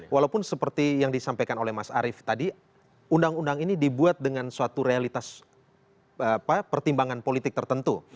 walaupun seperti yang disampaikan oleh mas arief tadi undang undang ini dibuat dengan suatu realitas pertimbangan politik tertentu